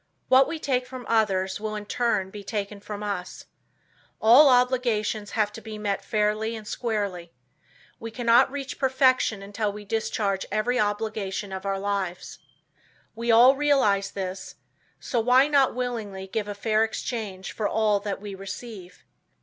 What we take from others, will in turn, be taken from us. All obligations have to be met fairly and squarely. We cannot reach perfection until we discharge every obligation of our lives. We all realize this, so why not willingly give a fair exchange for all that we receive?